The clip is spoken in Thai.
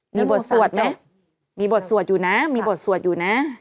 มีบทสวดไหมมีบทสวดอยู่นะมีบทสวดอยู่นะ